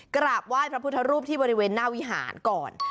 กราบไหว้พระพุทธรูปที่บริเวณหน้าวิหารก่อน